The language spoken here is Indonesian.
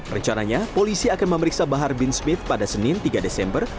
rencananya polisi akan memeriksa bahar bin smith pada senin tiga desember